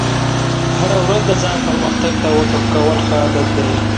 هره ورځ د ځان پرمختګ ته وقف کول ښه عادت دی.